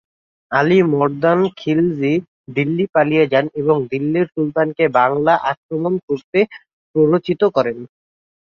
আলি মর্দান খিলজি দিল্লী পালিয়ে যান এবং দিল্লীর সুলতানকে বাংলা আক্রমণ করতে প্ররোচিত করেন।